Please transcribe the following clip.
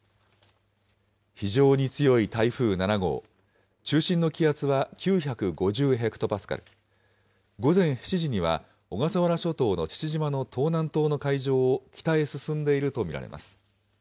非常に強い台風７号、中心の気圧は９５０ヘクトパスカル、午前７時には小笠原諸島の父島の東南東の海上を北へ進んでいると見られます。